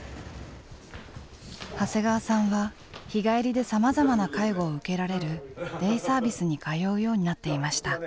長谷川さんは日帰りでさまざまな介護を受けられるデイサービスに通うようになっていました。